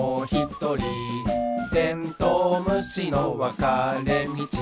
「テントウムシのわかれみち？」